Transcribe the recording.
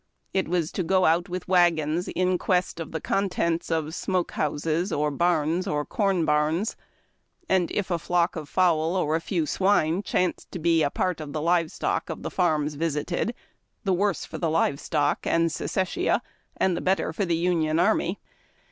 It was to go out with wagons in quest of the con tents of smoke houses or barns or corn barns ; and if a flock of fowls or a few swine chanced to be a part of the live stock of the farms visited, the worse for the live stock and Secessia, and the better for the Union army.